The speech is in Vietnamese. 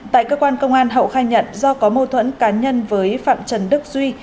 tại cơ quan công an hậu khai nhận do có mâu thuẫn cá nhân với phạm trần đức duy